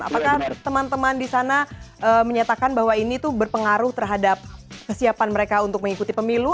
apakah teman teman di sana menyatakan bahwa ini tuh berpengaruh terhadap kesiapan mereka untuk mengikuti pemilu